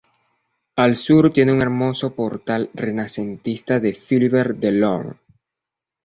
Al sur tiene un hermoso portal renacentista de Philibert Delorme.